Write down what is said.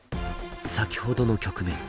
先ほどの局面